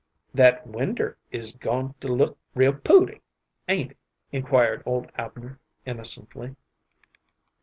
"That winder is goin' to look real pooty, ain't it?" inquired old Abner, innocently.